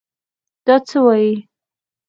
دا څه وايې.